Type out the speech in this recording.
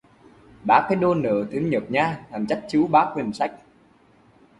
Ba cái đồ nớ để thêm nhớp nhà, hắn chắt chiu ba quyển sách